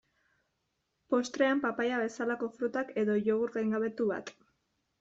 Postrean papaia bezalako frutak, edo jogurt gaingabetu bat.